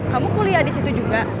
kamu kuliah di situ juga